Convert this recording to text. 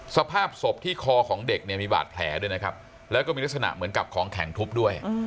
สภาพศพที่คอของเด็กเนี่ยมีบาดแผลด้วยนะครับแล้วก็มีลักษณะเหมือนกับของแข็งทุบด้วย